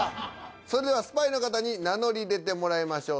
それではスパイの方に名乗り出てもらいましょう。